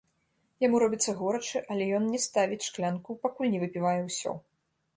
Яму робіцца горача, але ён не ставіць шклянку, пакуль не выпівае ўсё.